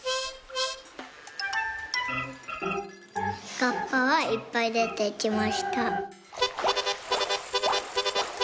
「カッパはいっぱいでてきました」。